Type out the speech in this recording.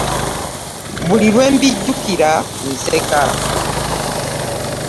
Buli lwembijjukira nseka.